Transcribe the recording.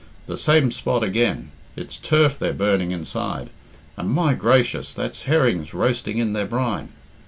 The same spot again! It's turf they're burning inside! And, my gracious, that's herrings roasting in their brine!